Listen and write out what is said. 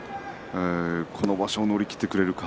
この場所を乗り切ってくれるか。